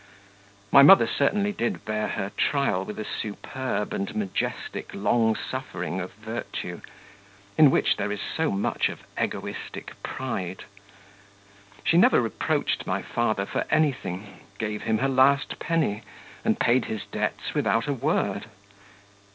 My mother certainly did bear her trial with the superb and majestic long suffering of virtue, in which there is so much of egoistic pride. She never reproached my father for anything, gave him her last penny, and paid his debts without a word.